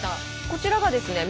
こちらがですね